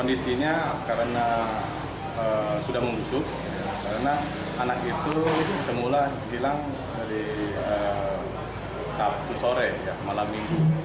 kondisinya karena sudah membusuk karena anak itu semula hilang dari sabtu sore malam minggu